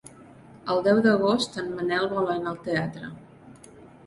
El deu d'agost en Manel vol anar al teatre.